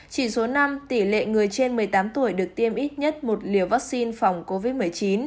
chỉ số năm tỷ lệ người trên một mươi tám tuổi được tiêm ít nhất một liều vaccine phòng covid một mươi chín